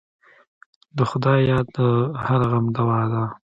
د خدای یاد د هر غم دوا ده.